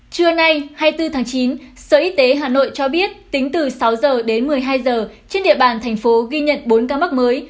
trưa nay hai mươi bốn tháng chín sở y tế hà nội cho biết tính từ sáu h đến một mươi hai giờ trên địa bàn thành phố ghi nhận bốn ca mắc mới